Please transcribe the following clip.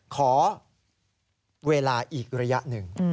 ขอเวลาอีกระยะหนึ่ง